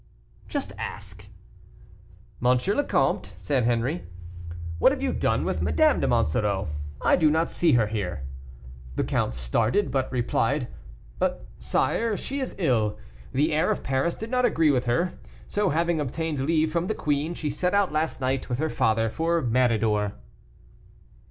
"Just ask." "M. le Comte," said Henri, "what have you done with Madame de Monsoreau? I do not see her here." The count started, but replied, "Sire, she is ill, the air of Paris did not agree with her; so having obtained leave from the queen, she set out last night, with her father, for Méridor."